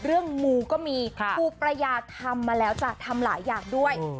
งูก็มีครูประยาทำมาแล้วจ้ะทำหลายอย่างด้วย